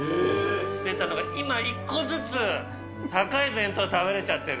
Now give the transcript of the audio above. してたのが、今１個ずつ、高い弁当、食べれちゃってる。